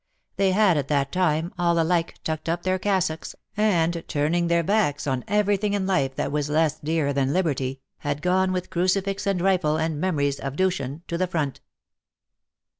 They had, at that time, all alike tucked up their cassocks, and, turning their backs on everything in life that was less dear than liberty, had gone with crucifix and rifle and memories of Dushan to the front.